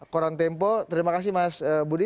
koran tempo terima kasih mas budi